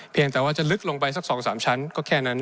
เพียงแต่ว่าจะลึกลงไปสักสองสามชั้นก็แค่นั้น